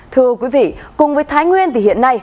thưa quý vị cùng với thái nguyên thì hiện nay